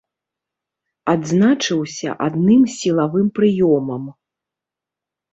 Адзначыўся адным сілавым прыёмам.